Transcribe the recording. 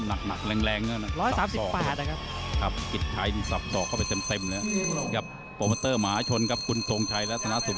มาแล้วเริ่มสนุกตั้งแต่คู่แรกแล้วครับคุณผู้ชม